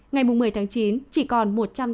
ngày một mươi chín chỉ còn một trăm tám mươi tám